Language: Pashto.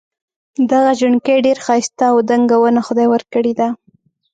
دغه ژڼکی ډېر ښایسته او دنګه ونه خدای ورکړي ده.